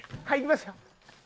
はいいきますよ。